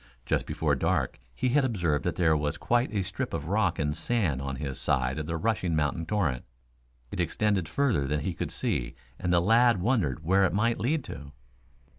Just before dark he had observed that there was quite a strip of rock and sand on his side of the rushing mountain torrent. It extended further than he could see and the lad wondered where it might lead to.